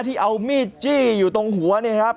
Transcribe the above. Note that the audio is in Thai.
ที่เอามีดจี้อยู่ตรงหัวเนี่ยนะครับ